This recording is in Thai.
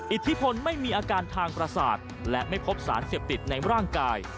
อิทธิพลไม่มีอาการทางประสาทและไม่พบสารเสพติดในร่างกาย